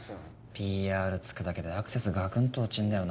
ＰＲ付くだけでアクセスガクンと落ちんだよなぁ。